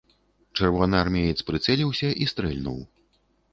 Чырвонаармеец прыцэліўся і стрэльнуў.